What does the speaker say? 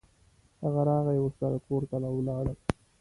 هغه راغی او ورسره کور ته ولاړو.